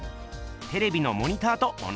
テレビのモニターと同じしくみっす。